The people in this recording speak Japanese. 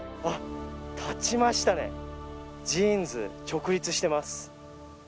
立ちましたね、ジーンズ、直立してます。